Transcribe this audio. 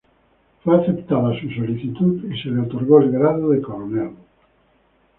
Fue aceptada su solicitud y se le otorgó el grado de coronel.